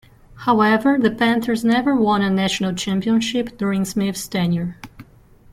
However, the Panthers never won a national championship during Smith's tenure.